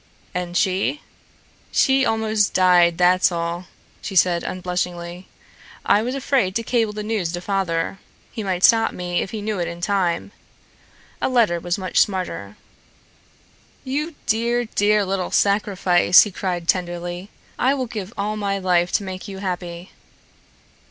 "And she?" "She almost died, that's all," said she unblushingly. "I was afraid to cable the news to father. He might stop me if he knew it in time. A letter was much smarter." "You dear, dear little sacrifice," he cried tenderly. "I will give all my life to make you happy."